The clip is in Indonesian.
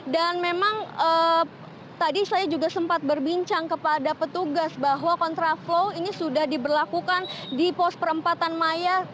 dan memang tadi saya juga sempat berbincang kepada petugas bahwa kontraflow ini sudah diberlakukan di pos perempatan maya